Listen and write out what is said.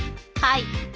はい。